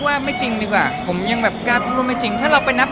ด้วยไม่ใช่ไม่ไม่ไม่ไม่แบบกราฟไม่จริงถ้าเราไปนับ